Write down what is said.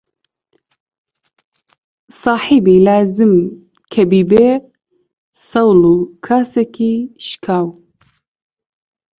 ساحیبی لازم کە بیبێ سەوڵ و کاسێکی شکاو